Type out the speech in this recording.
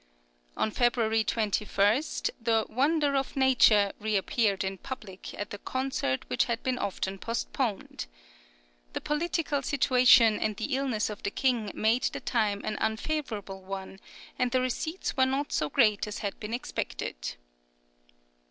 On February 21, the "Wonder of Nature" reappeared in public at a concert which had been often postponed. The political situation and the illness of the king made the time an unfavourable one, and the receipts were not so great as had been expected.